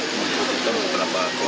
kita juga sudah mencari beberapa kelompok